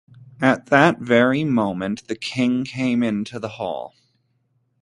At that very moment, the king came into the hall.